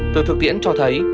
tờ thực tiễn cho thấy